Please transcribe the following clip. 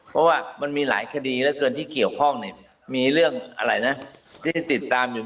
เพราะว่ามันมีหลายคดีที่เกี่ยวข้องมีเรื่องที่ติดตามอยู่